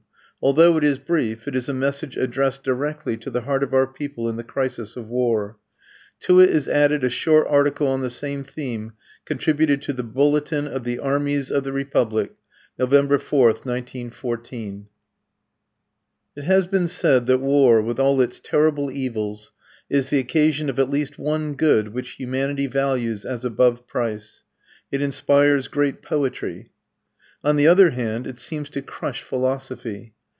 Although it is brief, it is a message addressed directly to the heart of our people in the crisis of war. To it is added a short article on the same theme, contributed to the Bulletin des Armées de la République, November 4, 1914. It has been said that war, with all its terrible evils, is the occasion of at least one good which humanity values as above price: it inspires great poetry. On the other hand, it seems to crush philosophy.